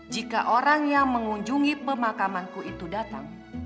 jika orang yang mengunjungi pemakamanku itu datang